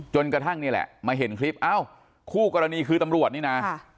จนกระทั่งนี่แหละมาเห็นคลิปเอ้าคู่กรณีคือตำรวจนี่นะ